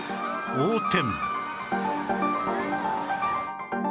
横転！